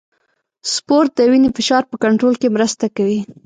سپورت د وینې فشار په کنټرول کې مرسته کوي.